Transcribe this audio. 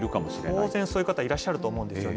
当然そういう方いらっしゃると思うんですよね。